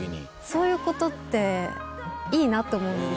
そういうことっていいなと思うんですよね。